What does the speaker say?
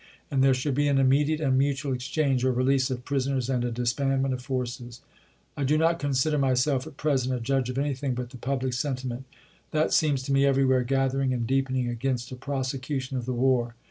And there should be an immediate and mutual exchange or release of prisoners and a disbandment of forces. I do not consider myself at present a judge of anything but the public sentiment. That seems to me everywhere gath ering and deepening against a prosecution of the war.